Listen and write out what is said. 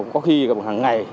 có khi hàng ngày